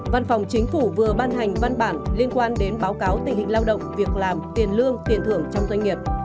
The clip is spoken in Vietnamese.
văn phòng chính phủ vừa ban hành văn bản liên quan đến báo cáo tình hình lao động việc làm tiền lương tiền thưởng trong doanh nghiệp